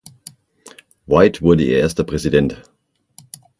White wurde ihr erster Präsident.